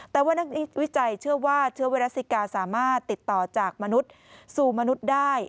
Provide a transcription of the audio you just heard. แต่ว่านักวิจัยเชื่อว่าเชื้อไวรัสซิกาสามารถติดต่อจากมนุษย์สู่มนุษย์ได้